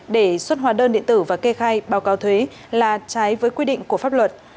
để xuất hóa đơn điện tử và kê khai báo cáo thuế là trái với quy định của pháp luật